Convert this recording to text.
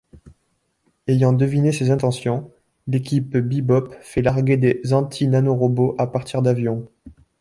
Ayant deviné ses intentions, l'équipe Bebop fait larguer des anti-nanorobots à partir d'avions.